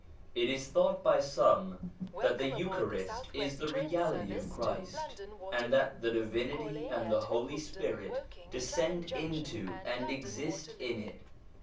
It is thought by some that the Eucharist is the reality of Christ, and that the Divinity and the Holy Spirit descend into and exist in it.